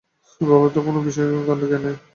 বাবার তো কোনো বিষয়ে কাণ্ডজ্ঞান নাই।